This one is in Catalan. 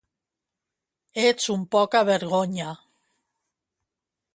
Ets un poca vergonya